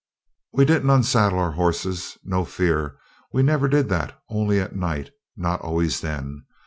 We didn't unsaddle our horses no fear; we never did that only at night; not always then.